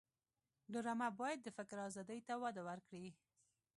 ډرامه باید د فکر آزادۍ ته وده ورکړي